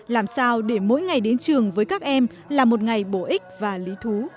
làm sao để mỗi ngày đến trường với các em là một ngày bổ ích và lý thú